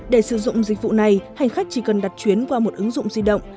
để sử dụng dịch vụ này hành khách chỉ cần đặt chuyến qua một ứng dụng di động